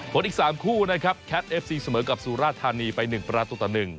เพราะอีกสามคู่นะครับแคทเอฟซีเสมอกับสุราธารณีไปหนึ่งประตูต่อหนึ่ง